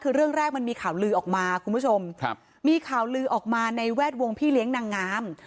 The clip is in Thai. คือเรื่องแรกมันมีข่าวลือออกมาคุณผู้ชมครับมีข่าวลือออกมาในแวดวงพี่เลี้ยงนางงาม